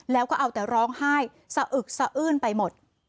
แล้วก็เอาแต่ร้องไห้สะอึกสะอื้นไปหมด